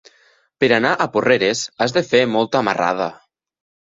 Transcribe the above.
Per anar a Porreres has de fer molta marrada.